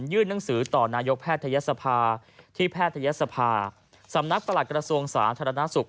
หนังสือต่อนายกแพทยศภาที่แพทยศภาสำนักประหลักกระทรวงสาธารณสุข